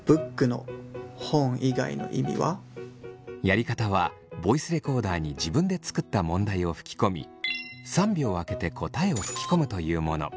やり方はボイスレコーダーに自分で作った問題を吹き込み３秒空けて答えを吹き込むというもの。